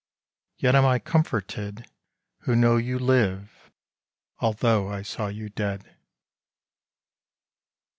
Yet am I comforted Who know you live although I saw you dead.